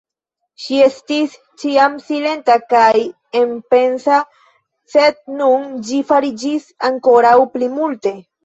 Ŝi estis ĉiam silenta kaj enpensa, sed nun ĝi fariĝis ankoraŭ pli multe.